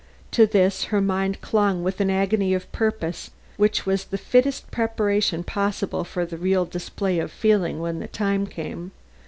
To this her mind clung with an agony of purpose which was the fittest preparation possible for real display of feeling when the time came.